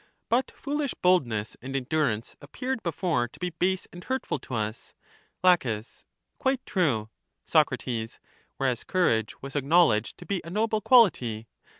But foolish boldness and endurance appeared before to be base and hurtful to us. La. Quite true. Soc. Whereas courage was acknowledged to be a noble quality.